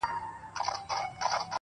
چي هغه نه وي هغه چــوفــــه اوســــــي ـ